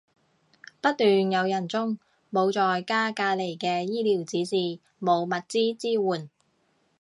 不斷有人中，冇在家隔離嘅醫療指示，冇物資支援